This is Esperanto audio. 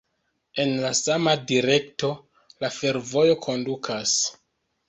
En la sama direkto, la fervojo kondukas.